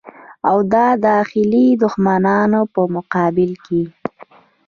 او داخلي دښمنانو په مقابل کې.